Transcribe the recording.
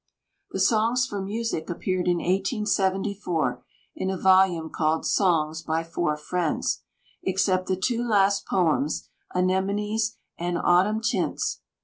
The "Songs for Music" appeared in 1874 in a volume called Songs by Four Friends, except the two last poems, "Anemones" and "Autumn Tints."